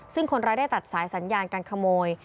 ซึ่งคนร้ายได้ตัดสายสัญญาการขโมย